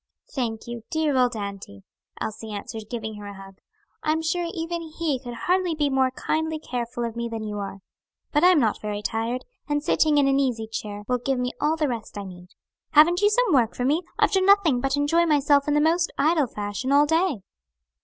"Thank you, you dear old auntie!" Elsie answered, giving her a hug. "I'm sure even he could hardly be more kindly careful of me than you are. But I am not very tired, and sitting in an easy chair will give me all the rest I need. Haven't you some work for me? I've done nothing but enjoy myself in the most idle fashion all day."